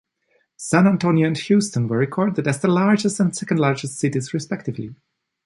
San Antonio and Houston were recorded as the largest and second largest cities respectively.